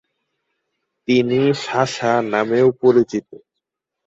তিনি "সাশা" নামেও পরিচিত।